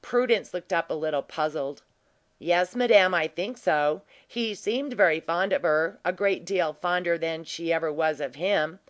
Prudence looked up a little puzzled. "Yes, madame, I think so. He seemed very fond of her; a great deal fonder than she ever was of him.